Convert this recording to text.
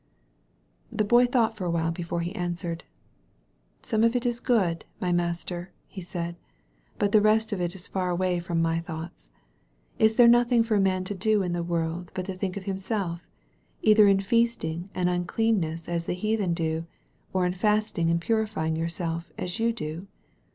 The Boy thought for a while before he answered. •*Some of it is good, my master," he said, "but the rest of it is far away from my thoughts. Is there nothing for a man to do in the world but to think of himself — either in feasting and uncleanness as the heathen do, or in fasting and purifying your self as you do?